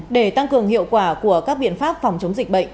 để tăng cường hiệu quả của các biện pháp phòng chống dịch bệnh